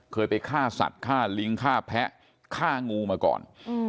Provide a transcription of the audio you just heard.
เคยไปฆ่าสัตว์ฆ่าลิงฆ่าแพะฆ่างูมาก่อน